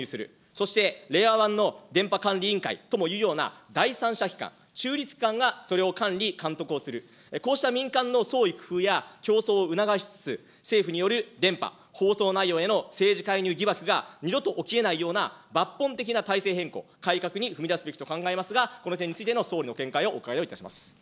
そしての電波監理委員会ともいうような、第三者機関、中立機関がそれを管理、監督をする、こうした民間の創意工夫や競争を促しつつ、政府による電波、放送内容への政治介入疑惑が二度と起きえないような抜本的な体制変更、改革に踏み出すべきと考えますが、この点についての総理の見解をお伺いをいたします。